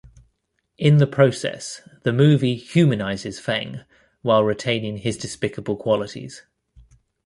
In the process the movie humanizes Feng while retaining his despicable qualities.